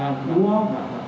vâng vâng vâng